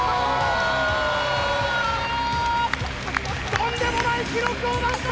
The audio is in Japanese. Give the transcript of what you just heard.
とんでもない記録を出した！